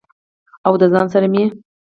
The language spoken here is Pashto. او د ځان سره مې